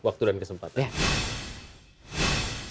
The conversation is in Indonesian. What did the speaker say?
waktu dan kesempatan